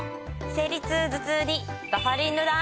生理痛・頭痛にバファリンルナｉ。